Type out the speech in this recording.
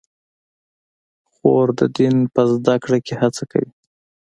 خور د دین په زده کړه کې هڅه کوي.